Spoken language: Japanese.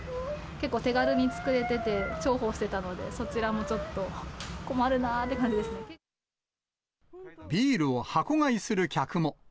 結構手軽に作れてて重宝してたので、そちらもちょっと困るなあっビールを箱買いする客も。